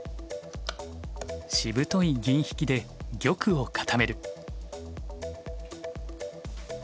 しぶとい銀引きで玉を固める。